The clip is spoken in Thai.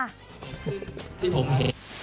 โอเค